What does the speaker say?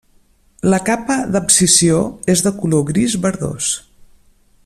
La capa d'abscisió és de color gris verdós.